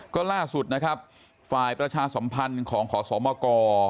ก็ล่าสุดนะครับฝ่ายประชาสัมพันธ์ของขอสมก